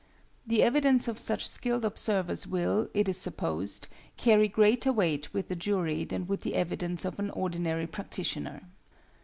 The evidence of such skilled observers will, it is supposed, carry greater weight with the jury than would the evidence of an ordinary practitioner.